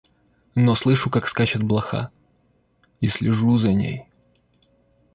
Но слышу, как скачет блоха, и слежу за ней.